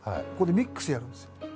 ここでミックスやるんですよ。